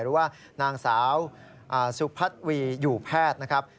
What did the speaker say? หรือว่านางสาวสุพัฒนวีอยู่แพทย์นะครับ